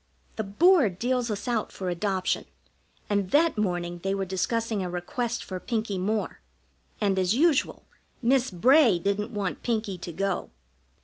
The Board deals us out for adoption, and that morning they were discussing a request for Pinkie Moore, and, as usual, Miss Bray didn't want Pinkie to go.